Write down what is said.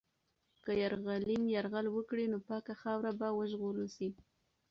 که پر غلیم یرغل وکړي، نو پاکه خاوره به وژغورل سي.